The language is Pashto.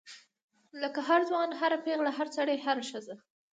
لکه هر ځوان هر پیغله هر سړی هره ښځه.